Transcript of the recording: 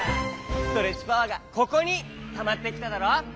ストレッチパワーがここにたまってきただろう？